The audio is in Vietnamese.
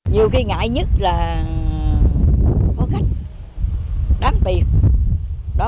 nhiều khi ngại nhất là có khách đám tiệc